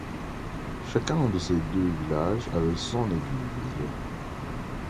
Chacun de ces deux villages avait son église.